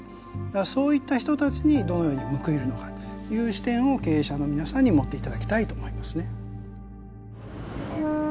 だからそういった人たちにどのように報いるのかという視点を経営者の皆さんに持っていただきたいと思いますね。